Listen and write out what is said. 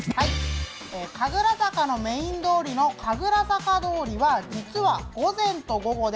神楽坂のメイン通りの神楽坂通りは午前と午後で